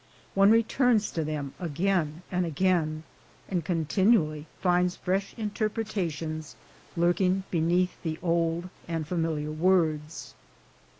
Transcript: One returns to them again and again, and continually finds fresh interpretations lurking beneath the old and familiar words.